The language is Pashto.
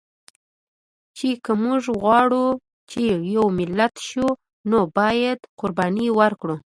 چې که مونږ غواړو چې یو ملت شو، نو باید قرباني ورکړو